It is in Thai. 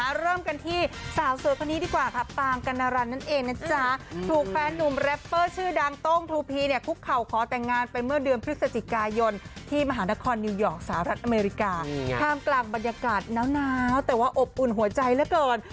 เริ่มกันที่สาวสวยคนนี้ดีกว่าค่ะปางกัณรันนั่นเองนะจ๊ะถูกแฟนนุ่มแรปเปอร์ชื่อดังโต้งทูพีเนี่ยคุกเข่าขอแต่งงานไปเมื่อเดือนพฤศจิกายนที่มหานครนิวยอร์กสหรัฐอเมริกาท่ามกลางบรรยากาศน้าวแต่ว่าอบอุ่นหัวใจเหลือเกิน